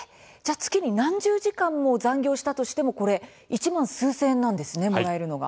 月に何十時間も残業をしたとしても１万数千円なんですね、もらえるのが。